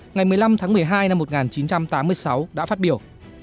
ngày một mươi năm tháng một mươi hai năm một nghìn chín trăm tám mươi sáu đã phát biểu